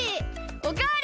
おかわり！